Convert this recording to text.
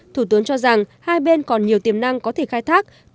thủ tướng cho rằng hai bên còn nhiều tiềm năng có thể khai thác